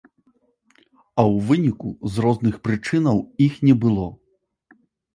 А ў выніку, з розных прычынаў, іх не было!